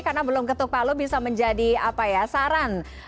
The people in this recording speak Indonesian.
karena belum ketuk palu bisa menjadi saran